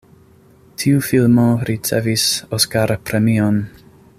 Tiu filmo ricevis Oskar-premion.